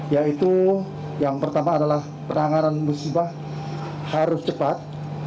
yaitu yang pertama adalah penanganan musibah harus cepat